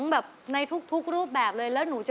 กลับมาฟังเพลง